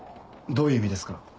どういう意味ですか？